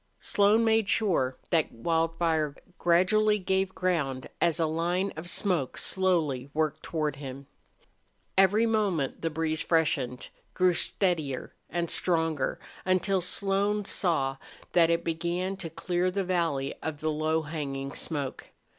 Slone made sure that Wildfire gradually gave ground as the line of smoke slowly worked toward him. Every moment the breeze freshened, grew steadier and stronger, until Slone saw that it began to clear the valley of the low hanging smoke.